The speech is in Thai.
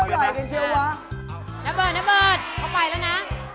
เขาไหล่กันเชียววะน้ำเบิดเขาไปแล้วนะ